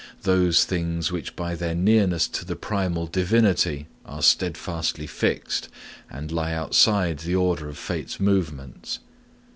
those things which by their nearness to the primal Divinity are steadfastly fixed, and lie outside the order of fate's movements.